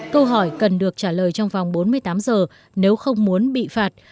câu hỏi cần được trả lời trong vòng bốn mươi tám giờ nếu không muốn bị phạt